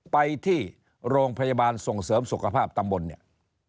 ไปที่โรงพยาบาลส่งเสริมสุขภาพตำบลเนี่ย